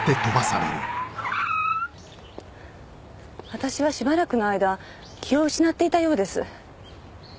私はしばらくの間気を失っていたようです。